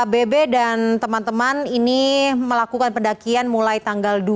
bebe dan teman teman ini melakukan pendakian mulai tanggal dua